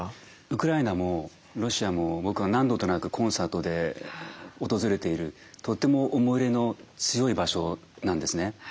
ウクライナもロシアも僕は何度となくコンサートで訪れているとっても思い入れの強い場所なんですね。